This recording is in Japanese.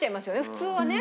普通はね。